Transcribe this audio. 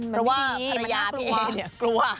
เพราะว่าภรรยาพี่เอเนี่ยกลัว